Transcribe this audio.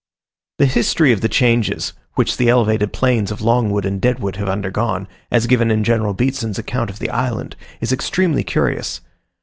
The history of the changes, which the elevated plains of Longwood and Deadwood have undergone, as given in General Beatson's account of the island, is extremely curious.